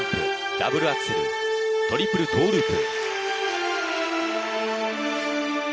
ダブルアクセルトリプルトーループ。